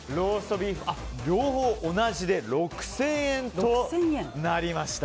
両方同じで６０００円となりました。